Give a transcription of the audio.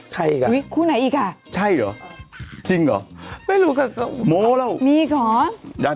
ใครอีกอ่ะอุ้ยคู่ไหนอีกอ่ะใช่เหรอจริงเหรอไม่รู้กับโมแล้วมีอีกเหรอ